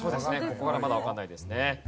ここからまだわからないですね。